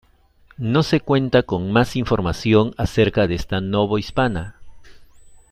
No se cuenta con más información acerca de esta novohispana.